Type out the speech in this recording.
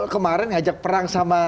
kemarin ngajak perang sama